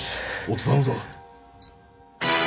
音頼むぞ。